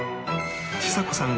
ちさ子さん